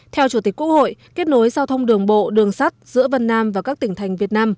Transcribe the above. theo chủ tịch quốc hội kết nối giao thông đường bộ đường sắt giữa vân nam và các tỉnh thành việt nam